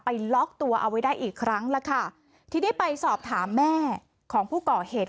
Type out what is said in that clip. ล็อกตัวเอาไว้ได้อีกครั้งล่ะค่ะทีนี้ไปสอบถามแม่ของผู้ก่อเหตุ